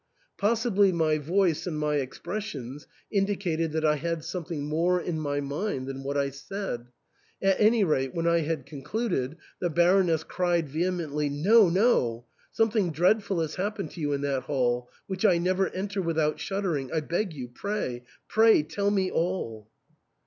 Possibly my voice and my expressions indicated that I had something more in my mind than what I said ; at any rate when I con cluded, the Baroness cried vehemently, " No, no ; something dreadful has happened to you in that hall, which I never enter without shuddering. I beg you — pray, pray, tell me all."